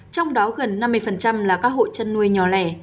trong đó gần năm mươi là các hộ chăn nuôi nhỏ lẻ